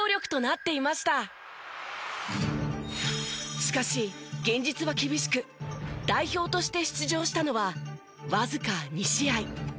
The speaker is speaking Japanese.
しかし現実は厳しく代表として出場したのはわずか２試合。